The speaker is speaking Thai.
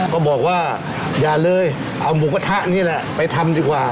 ก็บอกว่าอย่าเลยเอาหมูกระทะนี่แหละไปทำดีกว่า